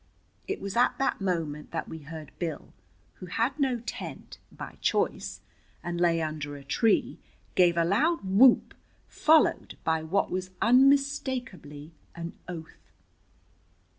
It was at that moment that we heard Bill, who had no tent, by choice, and lay under a tree, give a loud whoop, followed by what was unmistakably an oath.